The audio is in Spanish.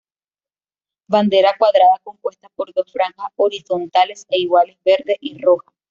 Bandera cuadrada compuesta por dos franjas horizontales e iguales, verde y roja.